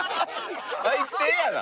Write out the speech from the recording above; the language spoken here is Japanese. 最低やな！